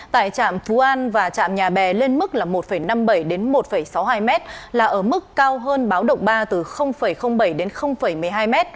tại trạm phú an và trạm nhà bè lên mức là một năm mươi bảy đến một sáu mươi hai m là ở mức cao hơn báo động ba từ bảy đến một mươi hai m